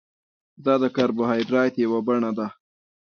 دا د کاربوهایډریټ یوه بڼه ده